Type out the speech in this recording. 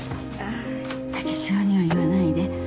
武四郎には言わないで